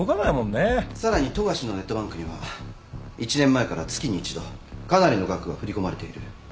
さらに富樫のネットバンクには１年前から月に一度かなりの額が振り込まれている。